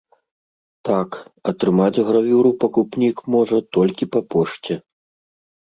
Так, атрымаць гравюру пакупнік можа толькі па пошце.